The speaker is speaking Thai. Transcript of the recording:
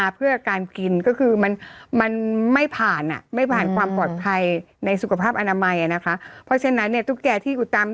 เพราะฉะนั้นเนี่ยตุ๊กแก้ที่อยู่ตาม